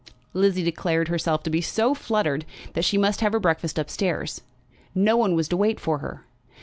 Lizzie declared herself to be so fluttered, that she must have her breakfast up stairs. No one was to wait for her.